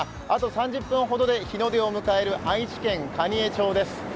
あと３０分ほどで日の出を迎える愛知県蟹江町です。